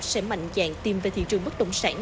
sẽ mạnh dạng tiêm về thị trường bất động sản